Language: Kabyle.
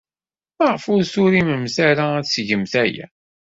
Maɣef ur turimemt ara ad tgemt aya?